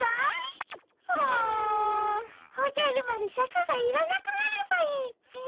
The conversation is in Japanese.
おじゃる丸シャクがいらなくなればいいっピ。